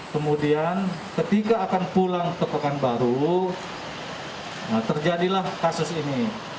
kemudian ketika akan pulang ke pekanbaru terjadilah kasus ini